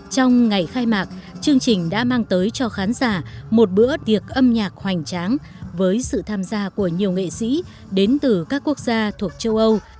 trong ngày khai mạc chương trình đã mang tới cho khán giả một bữa tiệc âm nhạc hoành tráng với sự tham gia của nhiều nghệ sĩ đến từ các quốc gia thuộc châu âu